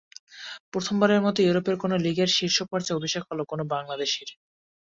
প্রথমবারের মতো ইউরোপের কোনো লিগের শীর্ষ পর্যায়ে অভিষেক হলো কোনো বাংলাদেশির।